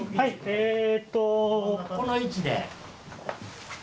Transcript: えとこの位置で。